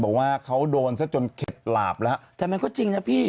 บอกว่าเขาโดนซะจนเข็ดหลาบแล้วแต่มันก็จริงนะพี่